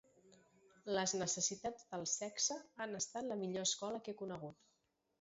Les necessitats del sexe han estat la millor escola que he conegut.